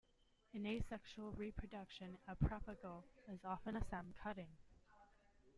In asexual reproduction, a propagule is often a stem cutting.